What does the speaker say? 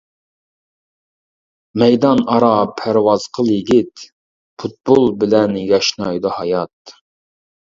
مەيدان ئارا پەرۋاز قىل يىگىت، پۇتبول بىلەن ياشنايدۇ ھايات.